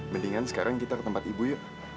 mendingan sekarang kita ke tempat ibu yuk